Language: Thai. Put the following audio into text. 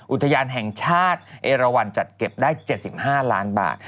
อุทยานแห่งชาติเอราวันจัดเก็บได้๗๕ล้านบาท